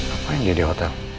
apa yang dia di hotel